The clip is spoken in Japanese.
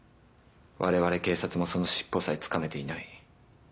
われわれ警察もその尻尾さえつかめていない。